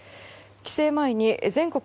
帰省前に全国